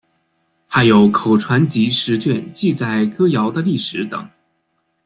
还有口传集十卷记载歌谣的历史等。